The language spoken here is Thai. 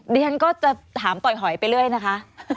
เรียนก็จะถามต่อยหอยไปเรื่อยนะคะ